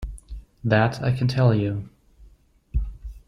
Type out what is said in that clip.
That I can tell you.